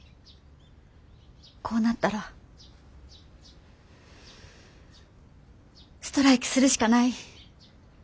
こうなったらストライキするしかない。